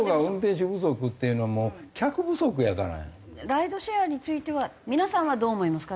ライドシェアについては皆さんはどう思いますか？